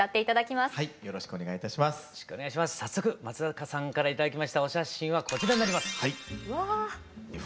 早速松阪さんから頂きましたお写真はこちらになります。